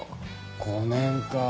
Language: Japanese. ５年かあ。